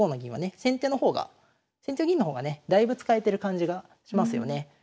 方が先手の銀の方がねだいぶ使えてる感じがしますよね。